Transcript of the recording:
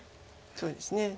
そうですね。